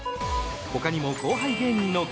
他にも後輩芸人の顔